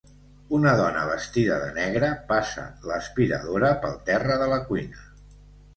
Una dona vestida de negre passa l'aspiradora pel terra de la cuina.